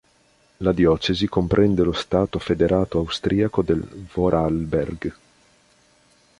La diocesi comprende lo stato federato austriaco del Vorarlberg.